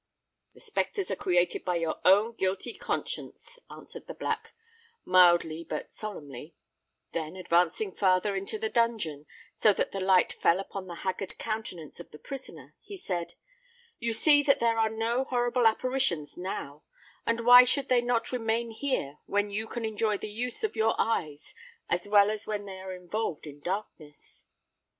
"The spectres are created by your own guilty conscience," answered the Black, mildly but solemnly: then, advancing farther into the dungeon, so that the light fell upon the haggard countenance of the prisoner, he said, "You see that there are no horrible apparitions now; and why should they not remain here when you can enjoy the use of your eyes as well as when you are involved in darkness?"